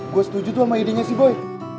gue setuju tuh sama idenya si boy